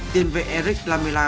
tiền vệ eric lamela